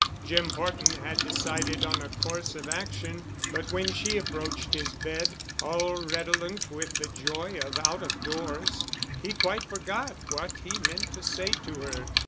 Jim Horton had decided on a course of action, but when she approached his bed, all redolent with the joy of out of doors, he quite forgot what he meant to say to her.